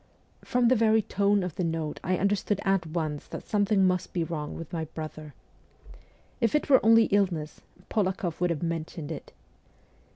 From the very tone of the note I understood at once that something must be wrong with my brother. If it were only illness, Polakoff would have mentioned it.